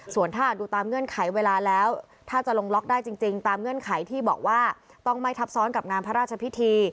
ส่วนถ้าหากดูตามเงื่อนไขเวลาแล้วถ้าจะลงล็อกได้จริงตามเงื่อนไขที่บอกว่าต้องไม่ทับซ้อนกับงานพระราชพิธี